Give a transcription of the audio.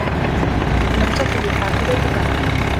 لم تصل الحافلة بعد.